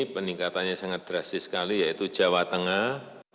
peningkatannya sangat drastis sekali yaitu jawa tengah